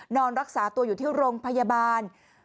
นอนรักษาตัวอยู่ที่โรงพยาบาล